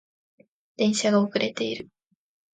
電車が遅れている